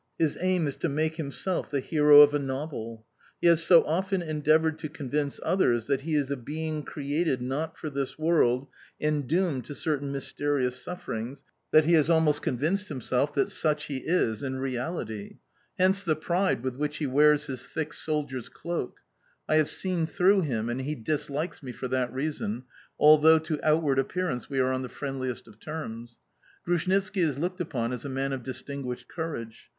His aim is to make himself the hero of a novel. He has so often endeavoured to convince others that he is a being created not for this world and doomed to certain mysterious sufferings, that he has almost convinced himself that such he is in reality. Hence the pride with which he wears his thick soldier's cloak. I have seen through him, and he dislikes me for that reason, although to outward appearance we are on the friendliest of terms. Grushnitski is looked upon as a man of distinguished courage.